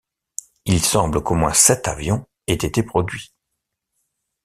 Il semble qu'au moins sept avions aient été produits.